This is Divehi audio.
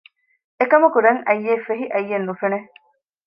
އެކަމަކު ރަތް އައްޔެއް ފެހި އައްޔެއް ނުފެނެ